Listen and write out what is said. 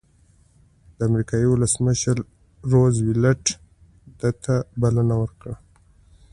د امریکې ولسمشر روز وېلټ ده ته بلنه ورکړه.